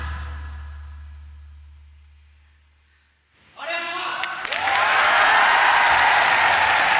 ありがとう！